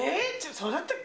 そうだったっけ？